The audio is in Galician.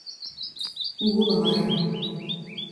Hugo Babarro.